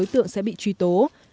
tưởng sẽ bị truy tố